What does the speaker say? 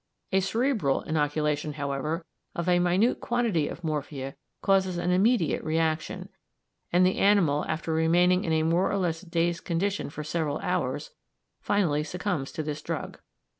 A cerebral inoculation, however, of a minute quantity of morphia causes an immediate reaction, and the animal, after remaining in a more or less dazed condition for several hours, finally succumbs to this drug.